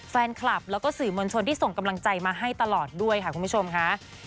แฟนคลับแล้วก็สื่อมวลชนที่ส่งกำลังใจมาให้ตลอดด้วยค่ะคุณผู้ชมค่ะ